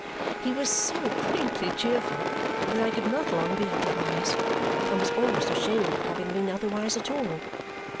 He was so quaintly cheerful that I could not long be otherwise, and was almost ashamed of having been otherwise at all.